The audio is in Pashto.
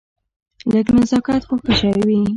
لږ نزاکت خو ښه شی وي.